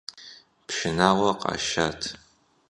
Пшынауэр къашат.